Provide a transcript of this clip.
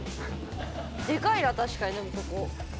でかいな確かにでもここ。